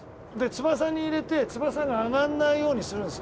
翼に入れて翼が上がんないようにするんです